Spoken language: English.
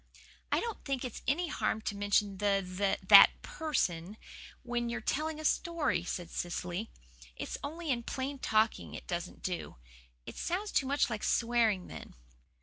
"I don't think it's any harm to mention the the that person, when you're telling a story," said Cecily. "It's only in plain talking it doesn't do. It sounds too much like swearing then."